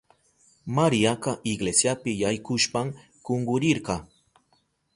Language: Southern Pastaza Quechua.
Mariaka iglesiapi yaykushpan kunkurirka.